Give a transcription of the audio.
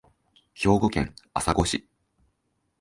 兵庫県朝来市